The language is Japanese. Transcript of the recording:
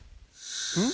うん？